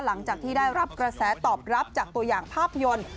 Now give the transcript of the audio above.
หลังจากที่ได้รับกระแสตอบรับจากตัวอย่างภาพยนตร์